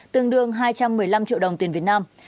tương đương hai trăm một mươi năm triệu đồng tiền việt nam